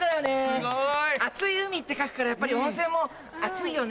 すごい！「熱い海」って書くからやっぱり温泉も熱いよね。